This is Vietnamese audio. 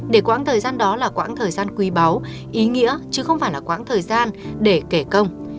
để quãng thời gian đó là quãng thời gian quý báu ý nghĩa chứ không phải là quãng thời gian để kể công